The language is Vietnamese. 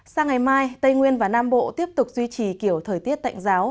sang ngày mai tây nguyên và nam bộ tiếp tục duy trì kiểu thời tiết tạnh giáo